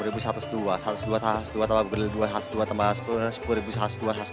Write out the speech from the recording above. rp satu ratus dua puluh khas dua tambah pergedel dua khas dua tambah rp sepuluh khas dua khas dua belas